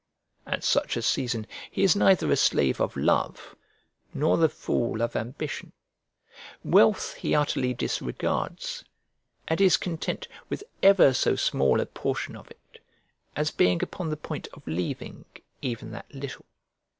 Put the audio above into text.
At such a season he is neither a slave of love nor the fool of ambition; wealth he utterly disregards, and is content with ever so small a portion of it, as being upon the point of leaving even that little.